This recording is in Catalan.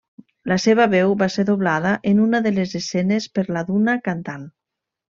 La seva veu va ser doblada en una de les escenes per la d'una cantant.